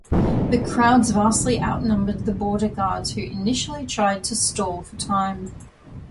The crowds vastly outnumbered the border guards who initially tried to stall for time.